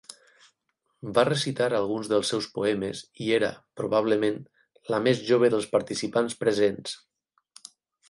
Va recitar alguns dels seus poemes i era, probablement, la més jove dels participants presents.